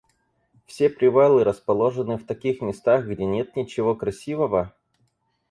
Все привалы расположены в таких местах, где нет ничего красивого?